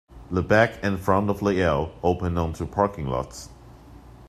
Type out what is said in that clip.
The back and front of the L open onto parking lots.